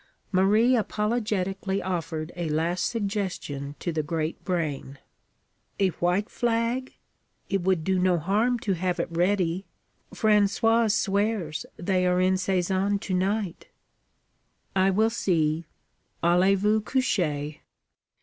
Marie apologetically offered a last suggestion to the great brain. 'A white flag? It would do no harm to have it ready. Françoise swears they are in Sézanne to night.' 'I will see. _Allez vous coucher.